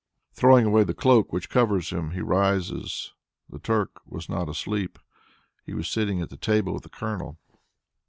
Throwing away the cloak which covers him, he rises. The Turk was not asleep; he was sitting at table with the Colonel.